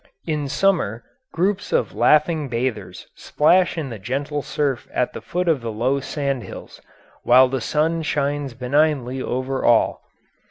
In summer groups of laughing bathers splash in the gentle surf at the foot of the low sand hills, while the sun shines benignly over all.